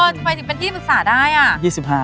ทำไมถึงเป็นที่ปรึกษาได้อ่ะ